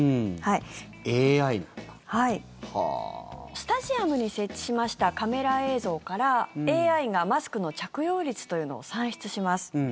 スタジアムに設置しましたカメラ映像からＡＩがマスクの着用率というのを算出します。